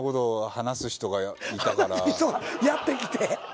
話す人がやって来て。